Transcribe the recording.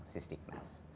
sis di knas